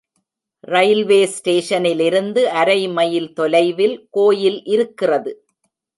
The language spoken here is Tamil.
ரயில்வே ஸ்டேஷனிலிருந்து அரைமைல் தொலைவில் கோயில் இருக்கிறது.